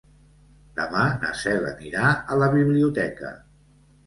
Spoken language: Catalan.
Demà na Cel anirà a la biblioteca.